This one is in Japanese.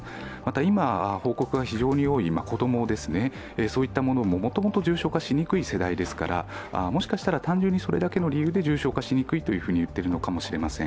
今、報告が非常に多い子供も、もともと重症化しにくい世代ですからもしかしたら単純にそれだけの理由で重症化しにくいと言っているのかもしれません。